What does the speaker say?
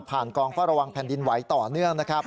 ผ่านกวางฝ้าระวังแผ่นดินไวต่อเนื่อง